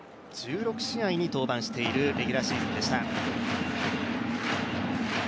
１６試合に登板しているレギュラーシーズンでした。